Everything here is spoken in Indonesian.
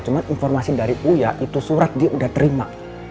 cuma informasi dari uya itu surat dia udah terima